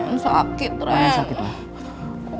nih yang sakit ren